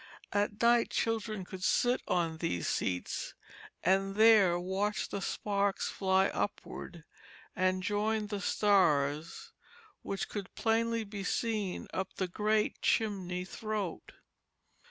At night children could sit on these seats and there watch the sparks fly upward and join the stars which could plainly be seen up the great chimney throat.